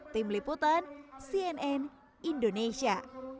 tim liputan cnn indonesia